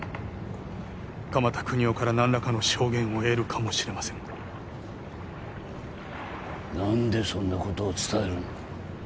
鎌田國士から何らかの証言を得るかもしれません何でそんなことを伝える？